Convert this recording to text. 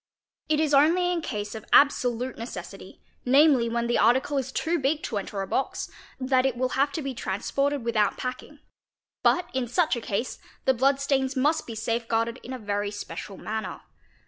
It is only in case of absolute necessity, namely, when the article is too big to enter a box, that it will have to be transported without packing; but in such a case — the blood stains must be safe guarded in a very special manner.